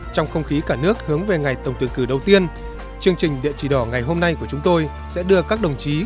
trong không khí cả nước hướng về ngày tổng tuyển cử đầu tiên chương trình địa chỉ đỏ ngày hôm nay của chúng tôi sẽ đưa các đồng chí